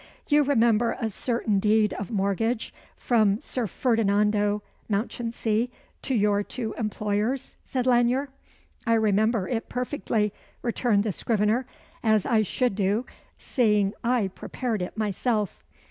"You remember a certain deed of mortgage from Sir Ferdinando Mounchensey to your two employers?" said Lanyere. "I remember it perfectly," returned the scrivener, "as I should do, seeing I prepared it myself."